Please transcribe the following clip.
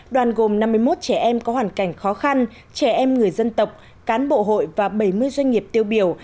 đoàn gồm năm mươi một trẻ em có hoàn cảnh khó khăn trẻ em người dân tộc cán bộ hội và bảy mươi doanh nghiệp tiêu biểu